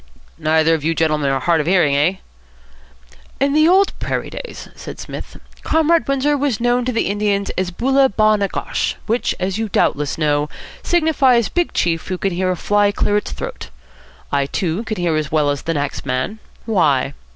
"Neither of you gentlemen are hard of hearing, eh?" "In the old prairie days," said Psmith, "Comrade Windsor was known to the Indians as Boola Ba Na Gosh, which, as you doubtless know, signifies Big Chief Who Can Hear A Fly Clear Its Throat. I too can hear as well as the next man. Why?"